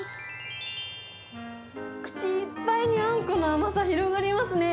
口いっぱいにあんこの甘さ、広がりますね。